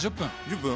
１０分？